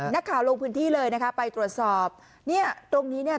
ลงพื้นที่เลยนะคะไปตรวจสอบเนี่ยตรงนี้เนี่ย